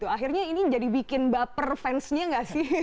akhirnya ini jadi bikin baper fansnya nggak sih